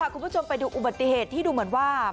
คุณผู้ชมไปดูอุบัติเหตุที่ดูเหมือนว่า